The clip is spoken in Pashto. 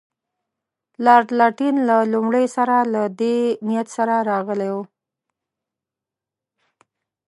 لارډ لیټن له لومړي سره له دې نیت سره راغلی وو.